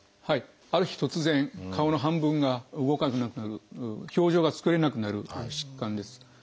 ある日突然顔の半分が動かなくなる表情が作れなくなる疾患です。